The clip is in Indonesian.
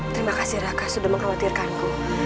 terima kasih raka sudah mengkhawatirkanku